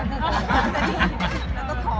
พูดได้จริง